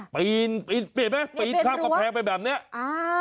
ปีนปีนเปลี่ยนไหมปีนข้ามกำแพงไปแบบเนี้ยอ่า